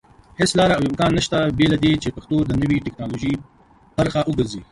هيڅ لاره او امکان نشته بېله دې چې پښتو د نوي ټيکنالوژي پرخه وګرځي